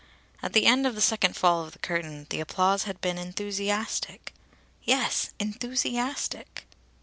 At the end of the second fall of the curtain the applause had been enthusiastic. Yes, enthusiastic!